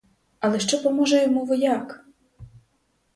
Але що поможе йому вояк?